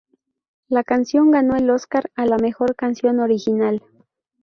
La canción ganó el Oscar a la mejor canción original.